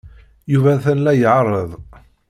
Yuba atan la iɛerreḍ